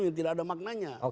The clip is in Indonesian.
yang tidak ada maknanya